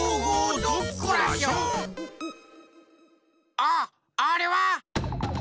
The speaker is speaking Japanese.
あっあれは！